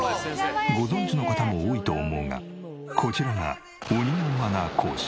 ご存じの方も多いと思うがこちらが鬼のマナー講師